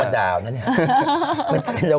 เดี๋ยวครับ